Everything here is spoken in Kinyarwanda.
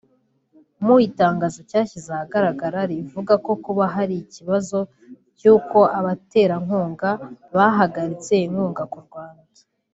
mu itangazo cyashyize ahagaragara rivuga ko kuba hari ikibazo cy’uko abaterankunga bahagaritse inkunga ku Rwanda